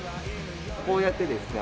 こうやってですね